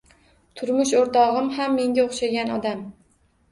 Turmush o‘rtog‘im ham menga o‘xshagan odam.